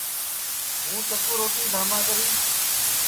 ہوں چکُو روٹی دھاما کری